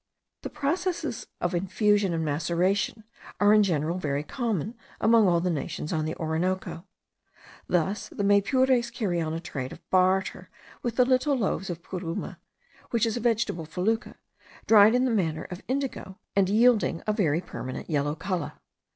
The processes of infusion and maceration are in general very common among all the nations on the Orinoco. Thus the Maypures carry on a trade of barter with the little loaves of puruma, which is a vegetable fecula, dried in the manner of indigo, and yielding a very permanent yellow colour.